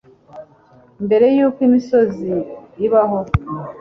mbere y'uko imisozi ibaho